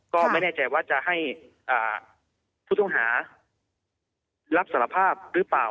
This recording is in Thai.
ก็ไม่แน่ใจว่าจะให้ผู้ต้องหารับสารภาพหรือเปล่า